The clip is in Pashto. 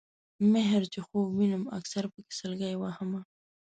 مِهر چې خوب وینم اکثر پکې سلګۍ وهمه